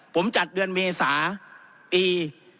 ผมจัดเดือนเมษาปี